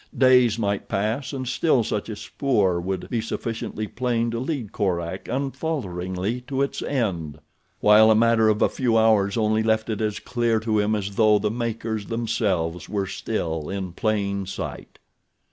Days might pass and still such a spoor would be sufficiently plain to lead Korak unfalteringly to its end; while a matter of a few hours only left it as clear to him as though the makers themselves were still in plain sight.